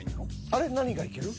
あれっ何がいける？